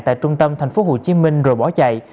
tại trung tâm tp hcm rồi bỏ chạy